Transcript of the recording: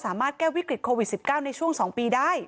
แก้วิกฤตโควิด๑๙ในช่วง๒ปีได้